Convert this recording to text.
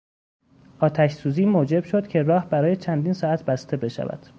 آتشسوزی موجب شد که راه برای چندین ساعت بسته بشود.